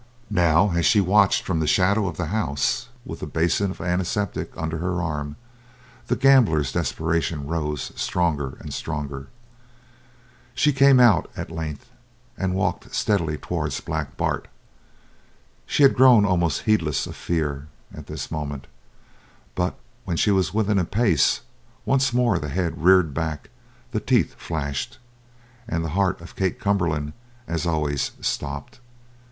Now, as she watched from the shadow of the house, with the basin of antiseptic under her arm, the gambler's desperation rose stronger and stronger. She came out, at length, and walked steadily towards Black Bart. She had grown almost heedless of fear at this moment, but when she was within a pace, once more the head reared back; the teeth flashed. And the heart of Kate Cumberland, as always, stopped.